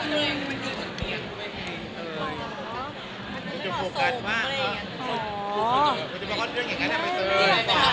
มันคือบางเรื่องอย่างนั้นหรอ